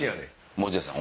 持田さん